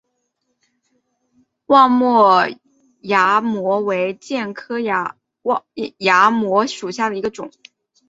望谟崖摩为楝科崖摩属下的一个种。